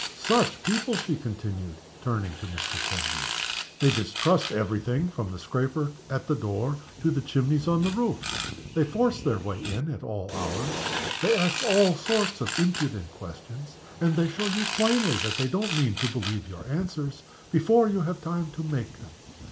Such people!" she continued, turning to Mr. Kendrew. "They distrust every thing, from the scraper at the door to the chimneys on the roof. They force their way in at all hours. They ask all sorts of impudent questions and they show you plainly that they don't mean to believe your answers, before you have time to make them.